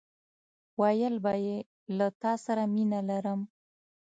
ويل به يې له تاسره مينه لرم!